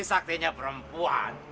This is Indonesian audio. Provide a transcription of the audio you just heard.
bisa jadi suaminya perempuan